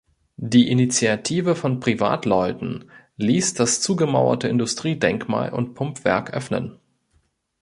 Die Initiative von Privatleuten ließ das zugemauerte Industriedenkmal und Pumpwerk öffnen.